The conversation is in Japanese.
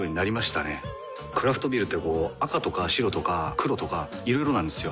クラフトビールってこう赤とか白とか黒とかいろいろなんですよ。